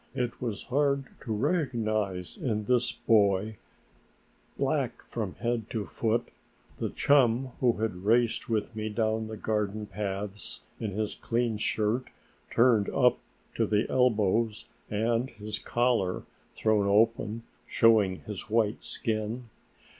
It was hard to recognize in this boy, black from head to foot, the chum who had raced with me down the garden paths in his clean shirt, turned up to the elbows, and his collar thrown open, showing his White skin.